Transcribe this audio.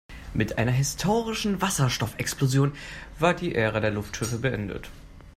Mit einer historischen Wasserstoffexplosion war die Ära der Luftschiffe beendet.